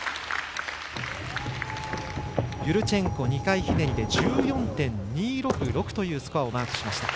ユルチェンコ２回ひねりで１４．２６６というスコアをマークしました。